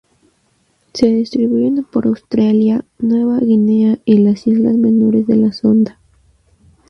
Se distribuyen por Australia, Nueva Guinea y las islas menores de la Sonda.